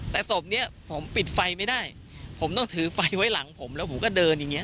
แต่ศพเนี้ยผมปิดไฟไม่ได้ผมต้องถือไฟไว้หลังผมแล้วผมก็เดินอย่างเงี้